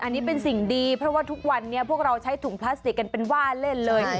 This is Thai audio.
อันนี้เป็นสิ่งดีเพราะว่าทุกวันนี้พวกเราใช้ถุงพลาสติกกันเป็นว่าเล่นเลย